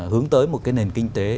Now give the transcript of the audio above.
hướng tới một cái nền kinh tế